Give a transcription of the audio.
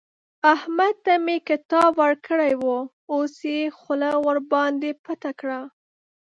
احمد ته مې کتاب ورکړی وو؛ اوس يې خوله ورباندې پټه کړه.